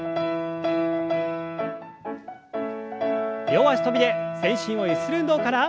両脚跳びで全身をゆする運動から。